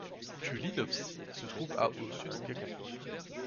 Kulinovci se trouve à au sud de Čačak.